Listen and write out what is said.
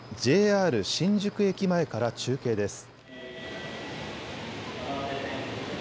ＪＲ新宿駅前から中継です。